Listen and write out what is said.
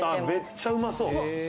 めっちゃうまそう。